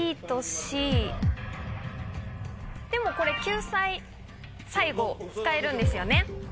でもこれ救済最後使えるんですよね。